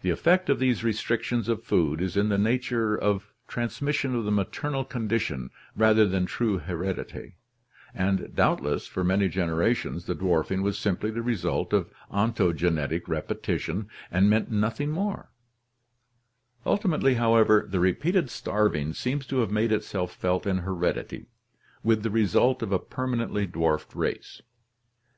The effect of these restrictions of food is in the nature of trans mission of the maternal condition rather than true heredity, and doubtless for many generations the dwarfing was simply the result of ontogenetic repetition and meant nothing more; ultimately, how ever, the repeated starving seems to have made itself felt in hered ity, with the result of a permanently dwarfed race (see, however, page 167).